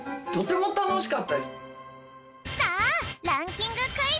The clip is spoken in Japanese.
さあランキングクイズ！